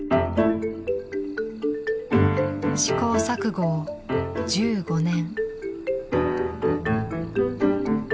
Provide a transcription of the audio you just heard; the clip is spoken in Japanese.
試行錯誤を１５年。